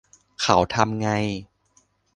เขาทำไง